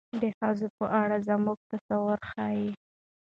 د ښځې په اړه زموږ تصور ښيي.